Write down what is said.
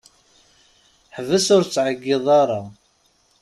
Ḥbes ur ttɛeyyiḍ ara!